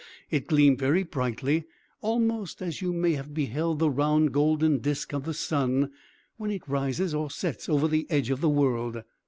It gleamed very brightly, almost as you may have beheld the round, golden disc of the sun, when it rises or sets over the edge of the world.